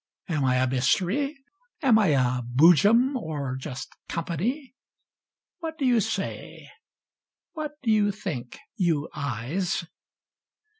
Am I a Mystery? Am I a Boojum — or just Company? What do you say ? What do you think. You Eyes